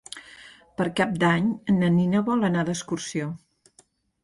Per Cap d'Any na Nina vol anar d'excursió.